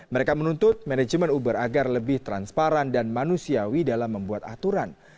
mereka menuntut manajemen uber agar lebih transparan dan manusiawi dalam membuat aturan